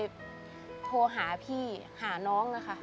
คุณหมอบอกว่าเอาไปพักฟื้นที่บ้านได้แล้ว